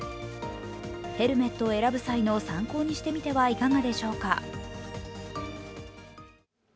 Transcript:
ヘルメットを選ぶ際の参考にしてみてはいかがでしょうか。